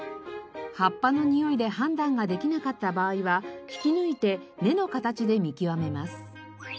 葉っぱのにおいで判断ができなかった場合は引き抜いて根の形で見極めます。